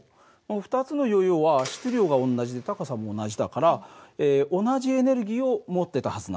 ２つのヨーヨーは質量が同じで高さも同じだから同じエネルギーを持ってたはずなんだよね。